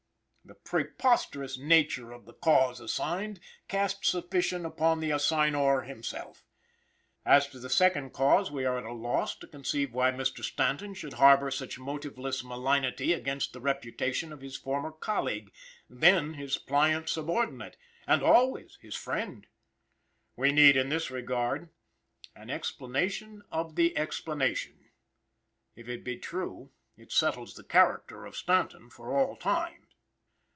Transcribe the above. The preposterous nature of the cause assigned casts suspicion upon the assignor himself. As to the second cause, we are at a loss to conceive why Mr. Stanton should harbor such motiveless malignity against the reputation of his former colleague, then his pliant subordinate, and always his friend. We need, in this regard, an explanation of the explanation. If it be true, it settles the character of Stanton for all time.